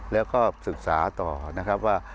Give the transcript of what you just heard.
และก็ศึกษาต่อว่า